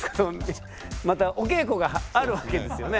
またお稽古があるわけですよね。